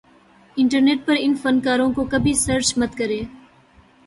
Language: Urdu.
انٹرنیٹ پر ان فنکاروں کو کبھی سرچ مت کریں